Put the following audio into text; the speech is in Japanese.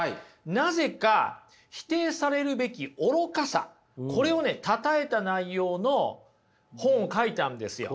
なぜか否定されるべき愚かさこれをねたたえた内容の本を書いたんですよ。